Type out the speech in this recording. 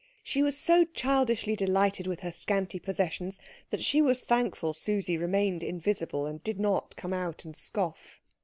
She was so childishly delighted with her scanty possessions that she was thankful Susie remained invisible and did not come out and scoff.